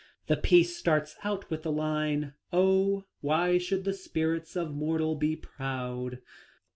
The piece starts out with the line, " Oh ! why should the spirit of mortal be proud."